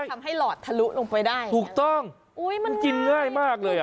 หลอดทะลุลงไปได้ถูกต้องอุ้ยมันกินง่ายมากเลยอ่ะ